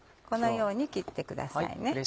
このように切ってくださいね。